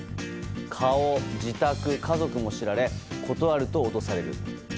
顔、自宅、家族も知られ断ると脅される。